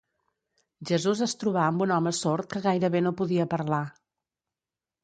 Jesús es trobà amb un home sord que gairebé no podia parlar.